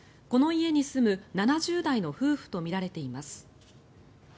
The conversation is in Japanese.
この家に住む７０代の夫婦とみられています。